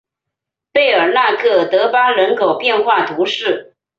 贝尔纳克德巴人口变化图示